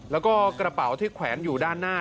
แล้วก็กระเป๋าที่แขวนอยู่ด้านหน้า